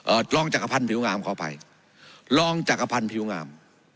รองจักรพันธ์ผิวงามขออภัยรองจักรพันธ์ผิวงาม